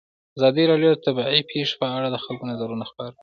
ازادي راډیو د طبیعي پېښې په اړه د خلکو نظرونه خپاره کړي.